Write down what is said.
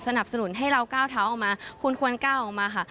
สนุนให้เราก้าวเท้าออกมาคุณควรก้าวออกมาค่ะ